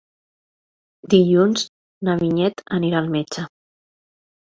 Dilluns na Vinyet anirà al metge.